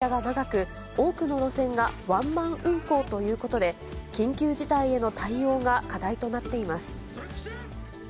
栃木県内の鉄道は駅と駅の間が長く、多くの路線がワンマン運行ということで、緊急事態への対応が課題となっています。